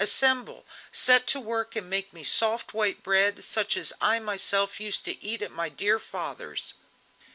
assemble, set to work and make me soft white bread such as I myself used to eat at my dear father's!"